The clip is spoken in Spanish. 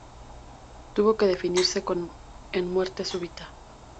Tuvo que definirse en muerte súbita.